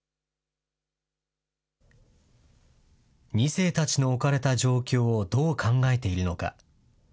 ２世たちの置かれた状況をどう考えているのか。